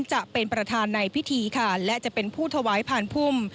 จะเป็นประธานในพิธีค่ะและจะเป็นผู้ถวายผ่านพุ่ม